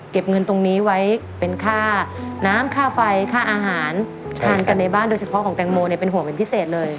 เงินตรงนี้ไว้เป็นค่าน้ำค่าไฟค่าอาหารทานกันในบ้านโดยเฉพาะของแตงโมเนี่ยเป็นห่วงเป็นพิเศษเลย